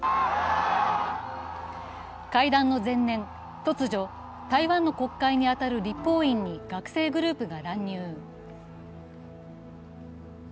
会談の前年、突如、台湾の国会に当たる立法院に学生グループが乱入。